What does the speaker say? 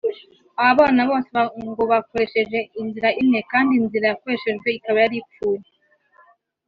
Aba bana bose ngo bakoresheje inzira imwe(formule) kandi inzira yakoreshejwe ikaba yari ipfuye